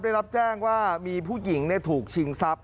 ได้รับแจ้งว่ามีผู้หญิงถูกชิงทรัพย